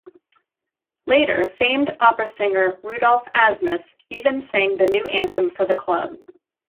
Later famed opera singer Rudolf Asmus even sang the new anthem for the club.